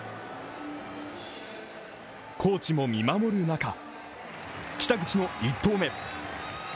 コーチも見守る中、北口の１投目。